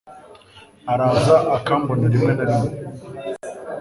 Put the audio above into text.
Araza akambona rimwe na rimwe.